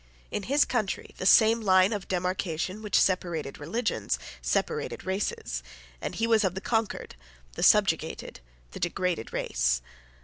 In his country the same line of demarcation which separated religions separated races; and he was of the conquered, the subjugated, the degraded race.